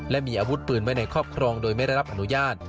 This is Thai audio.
และมีอาวุธปืนไว้ในครอบครองโดยไม่ได้รับอนุญาต